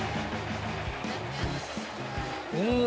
うん！